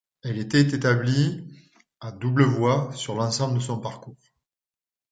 Elle était établie à double voie sur l'ensemble de son parcours.